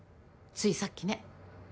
ついさっきね。